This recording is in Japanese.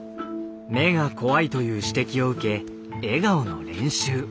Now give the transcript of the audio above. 目が怖いという指摘を受け笑顔の練習。